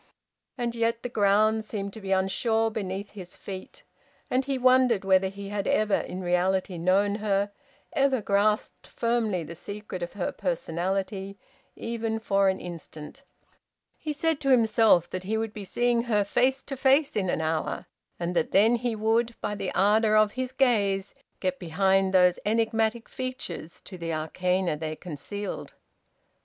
And yet the ground seemed to be unsure beneath his feet, and he wondered whether he had ever in reality known her, ever grasped firmly the secret of her personality, even for an instant. He said to himself that he would be seeing her face to face in an hour, and that then he would, by the ardour of his gaze, get behind those enigmatic features to the arcana they concealed.